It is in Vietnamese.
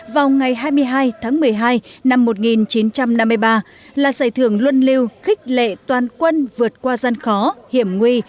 vào ngày hai mươi hai tháng một mươi hai năm một nghìn chín trăm năm mươi ba là giải thưởng luân lưu khích lệ toàn quân vượt qua gian khó hiểm nguy